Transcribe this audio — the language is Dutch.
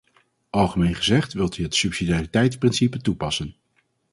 Algemeen gezegd wilt u het subsidiariteitsprincipe toepassen.